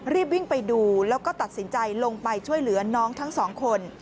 รีบวิ่งไปดูแล้วก็ตัดสินใจลงไปช่วยเหลือน้องทั้งสองคน